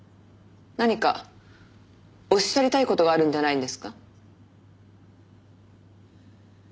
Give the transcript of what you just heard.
何かおっしゃりたい事があるんじゃないですか？